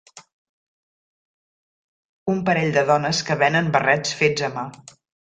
Un parell de dones que venen barrets fets a mà